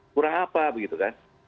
kurang apa begitu kan